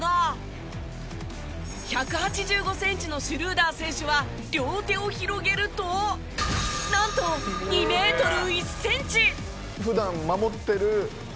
１８５センチのシュルーダー選手は両手を広げるとなんと２メートル１センチ！